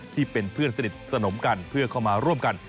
ที่เป็นเพื่อนสนิทสนมกันเพื่อเข้ามาร่วมกัน